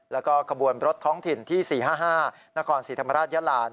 แล้วก็ขบวนรถท้องถิ่นที่๔๕๕นครศรีธรรมราชยาลา